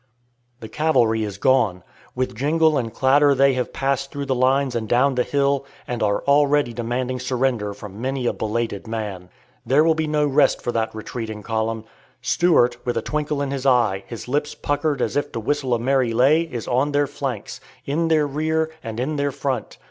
The cavalry is gone. With jingle and clatter they have passed through the lines and down the hill, and are already demanding surrender from many a belated man. There will be no rest for that retreating column. Stuart, with a twinkle in his eye, his lips puckered as if to whistle a merry lay, is on their flanks, in their rear, and in their front.